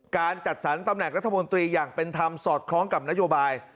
การจัดสรรตำแหน่งรัฐมนตรีอย่างเป็นธรรมสอดคล้องกับนโยบาย